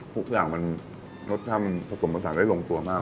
ทุกอย่างมันรสชาติมันผสมผสานได้ลงตัวมาก